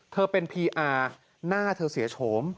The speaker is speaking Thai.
เธอเป็นพีอาร์หน้าเธอเสียโฉม